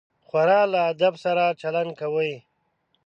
خور له ادب سره چلند کوي.